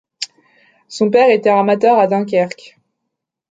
Son père était armateur à Dunkerque.